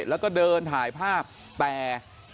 แล้วก็เดินถ่ายภาพแต่